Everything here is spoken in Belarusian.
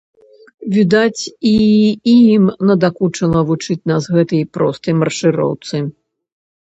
Відаць, і ім дакучыла вучыць нас гэтай простай маршыроўцы.